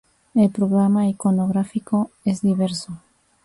El programa iconográfico es diverso.